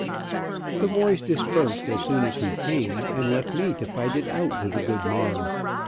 The boys dispersed as soon as he came, and left me to fight it out with the good man.